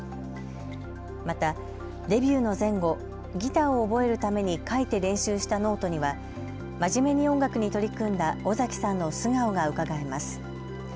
また、デビューの前後、ギターを覚えるために書いて練習したノートには真面目に音楽に取り組んだ尾崎さんの素顔がうかがえます。